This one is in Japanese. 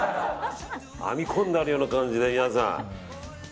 編み込んであるような感じで皆さん。